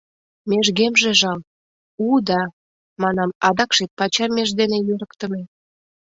Межгемже жал, у да, манам, адакше пача меж дене йӧрыктымӧ...